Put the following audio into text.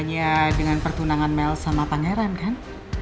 hanya dengan pertunangan mel sama pangeran kan